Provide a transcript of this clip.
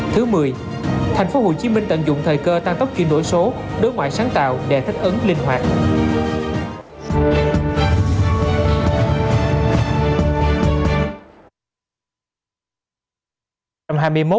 thứ mười thành phố hồ chí minh tận dụng thời cơ tăng tốc chuyển đổi số đối ngoại sáng tạo để thích ứng linh hoạt